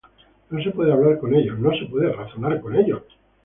No se puede hablar con ellos, no se puede razonar con ellos.